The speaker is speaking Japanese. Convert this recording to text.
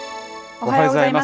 おはようございます。